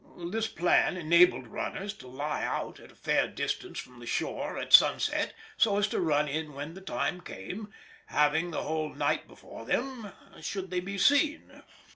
This plan enabled runners to lie out a fair distance from the shore at sunset so as to run in when the time came, having the whole night before them should they be seen.